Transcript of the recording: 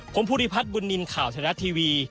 ผมพุทธิพัฒน์บุญนินท์ข่าวแทนรัฐทีวี